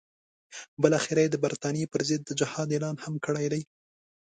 بالاخره یې د برټانیې پر ضد د جهاد اعلان هم کړی دی.